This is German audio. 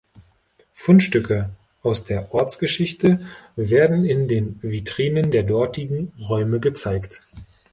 Fundstücke aus der Ortsgeschichte werden in den Vitrinen der dortigen Räume gezeigt.